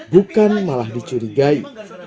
bukan malah dicurigai